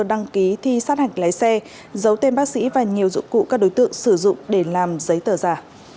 đăng ký thi sát hạch lái xe giấu tên bác sĩ và nhiều dụng cụ các đối tượng sử dụng để làm giấy tờ giả